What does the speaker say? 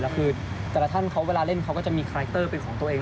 แล้วคือแต่ละท่านเขาเวลาเล่นเขาก็จะมีคาแรคเตอร์เป็นของตัวเอง